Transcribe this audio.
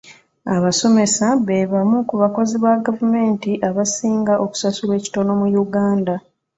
Abasomesa be bamu ku bakozi ba gavumenti abasinga okusasulwa ekitono mu Uganda.